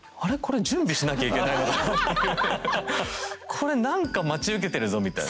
「これ何か待ち受けてるぞ」みたいな。